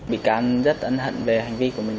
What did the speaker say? bị can rất ân hận về hành vi của mình